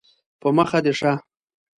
په مخه دې ښه